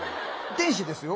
天使ですよ。